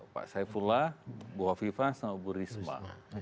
pak saipula bu kofifah sama bu risma